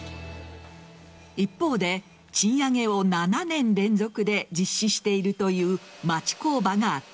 一方で、賃上げを７年連続で実施しているという町工場があった。